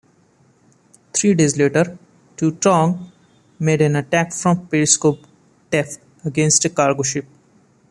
Three days later, "Tautog" made an attack from periscope depth against a cargo ship.